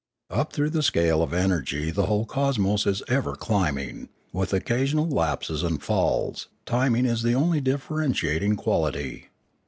Up through the scale of energy the whole cosmos is ever climbing, with occasional lapses and falls, time be ing the pnly differentiating quality.